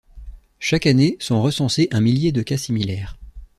Chaque année, sont recensés un millier de cas similaires.